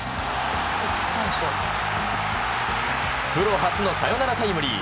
プロ初のサヨナラタイムリー。